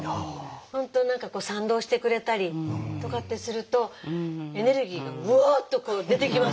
本当何か賛同してくれたりとかってするとエネルギーがワアッとこう出てきますよね。